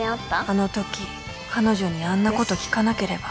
あの時彼女にあんなこと聞かなければ